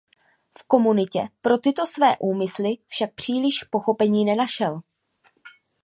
V komunitě pro tyto své úmysly však příliš pochopení nenašel.